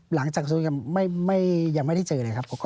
หลังกระทรวงยุติธรรมยังไม่ได้เจอกันเลยครับ